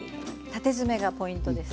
縦詰めがポイントです。